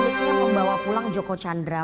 wah sulitnya membawa pulang joko chandra